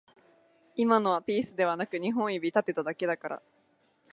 今のはピースではなく二本指立てただけだから